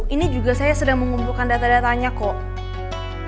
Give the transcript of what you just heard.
ini juga saya sedang mengumpulkan data datanya kok